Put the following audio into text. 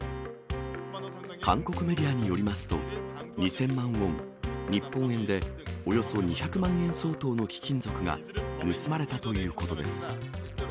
韓国メディアによりますと、２０００万ウォン、日本円でおよそ２００万円相当の貴金属が盗まれたということです。